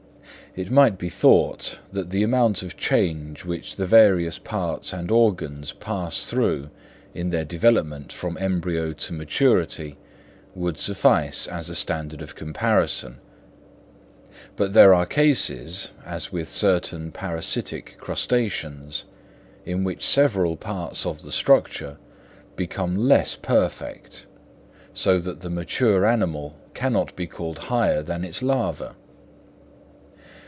It might be thought that the amount of change which the various parts and organs pass through in their development from embryo to maturity would suffice as a standard of comparison; but there are cases, as with certain parasitic crustaceans, in which several parts of the structure become less perfect, so that the mature animal cannot be called higher than its larva.